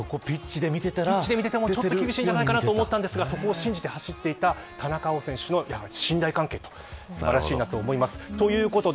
ピッチで見ててもちょっと厳しいんじゃないかと思っていたんですがそこを信じて走っていった田中碧選手の信頼関係素晴らしいと思います。